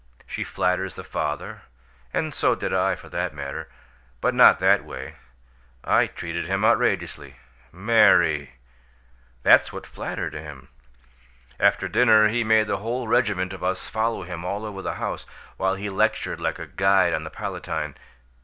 She flatters the father, and so did I, for that matter but not that way. I treated him outrageously!" "Mary!" "That's what flattered him. After dinner he made the whole regiment of us follow him all over the house, while he lectured like a guide on the Palatine.